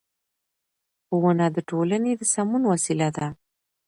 ښوونه د ټولنې د سمون وسیله ده